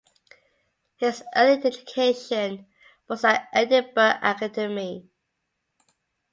His early education was at Edinburgh Academy.